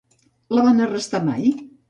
La van arrestar mai?